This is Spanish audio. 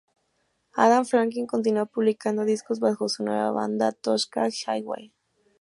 Adam Franklin continúa publicando discos bajo su nueva banda, Toshack Highway.